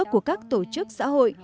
của các tổ chức xã hội